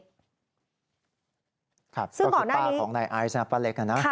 ก็คือป้ากับอายสนั้นป้าเล็ก